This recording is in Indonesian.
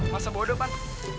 masa bodoh pan